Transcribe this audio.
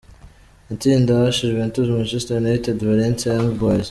Itsinda H: Juventus, Manchester United, Valencia, Young Boys.